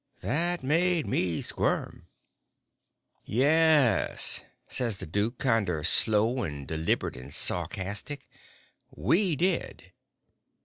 That made me squirm! "Yes," says the duke, kinder slow and deliberate and sarcastic, "We did."